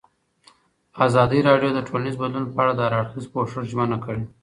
ازادي راډیو د ټولنیز بدلون په اړه د هر اړخیز پوښښ ژمنه کړې.